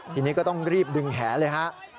ทีนี้ก็ต้องรีบดึงแหละครับ